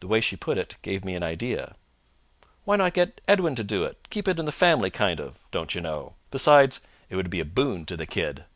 The way she put it gave me an idea. "Why not get Edwin to do it? Keep it in the family, kind of, don't you know. Besides, it would be a boon to the kid."